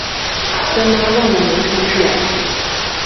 三巴旺的名称是来至。